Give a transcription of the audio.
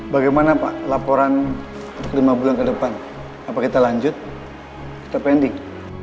bagaimana pak laporan untuk lima bulan ke depan apakah kita lanjut kita pending